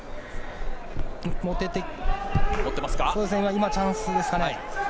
今、チャンスですかね。